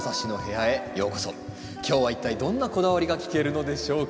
今日は一体どんなこだわりが聞けるのでしょうか？